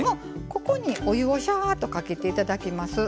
ここにお湯をしゃっとかけて頂きます。